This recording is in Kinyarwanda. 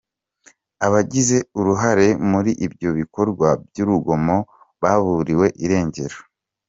Abagize uruhare muri ibyo bikorwa by’urugomo baburiwe irengero.